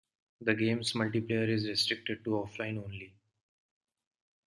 The game's multiplayer is restricted to offline only.